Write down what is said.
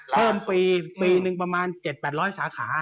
เพิ่มปีหนึ่งประมาณ๗๘๐๐สาขา